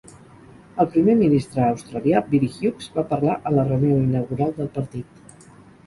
El primer ministre australià Billy Hughes, va parlar a la reunió inaugural del partit.